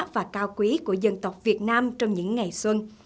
và cao quý của dân tộc việt nam trong những ngày xuân